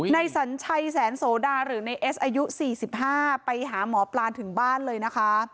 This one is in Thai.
สัญชัยแสนโสดาหรือในเอสอายุ๔๕ไปหาหมอปลาถึงบ้านเลยนะคะ